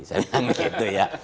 saya bilang begitu ya